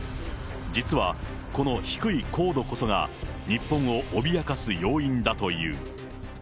実はこの低い高度こそが、日本を脅かす要因だという。